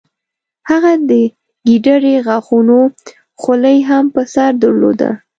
هغه د ګیدړې غاښونو خولۍ هم په سر درلوده.